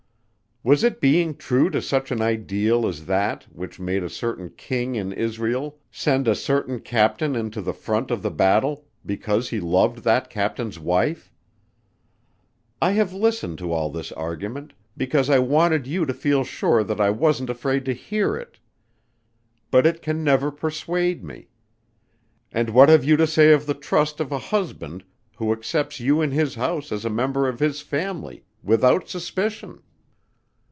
"Was it being true to such an ideal as that which made a certain king in Israel send a certain captain into the front of the battle, because he loved that captain's wife? I have listened to all this argument, because I wanted you to feel sure that I wasn't afraid to hear it. But it can never persuade me. And what have you to say of the trust of a husband who accepts you in his house as a member of his family without suspicion?"